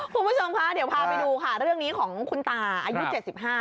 คุณผู้ชมคะเดี๋ยวพาไปดูค่ะเรื่องนี้ของคุณตาอายุเจ็ดสิบห้า